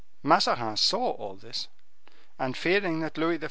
Mazarin saw all this, and fearing that Louis XIV.